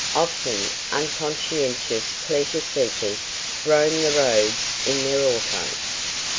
Often, unconscientious pleasure seekers roam the roads in their auto.